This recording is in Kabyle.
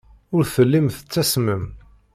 Ur tellim tettasmem.